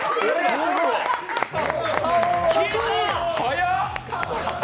早っ！